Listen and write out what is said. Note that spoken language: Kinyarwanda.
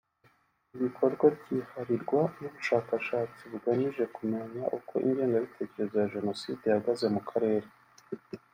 Ibi bikorwa byiharirwa n’ubushakashatsi bugamije kumenya uko ingengabitekerezo ya Jenoside ihagaze mu karere